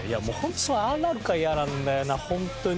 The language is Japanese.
ああなるから嫌なんだよなホントに。